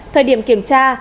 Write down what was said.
thời điểm kiểm tra